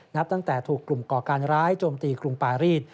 นับตั้งแต่ถูกกลุ่มก่อการร้ายโจมตีกรุงปารีส